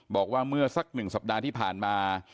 บอกว่าเมื่อสัก๑สัปดาห์ที่ผ่านมา